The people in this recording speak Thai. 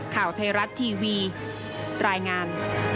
ข่าวไทยรัฐทีวีรายงาน